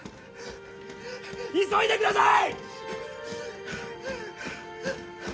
急いでください！